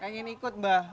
pengen ikut mbak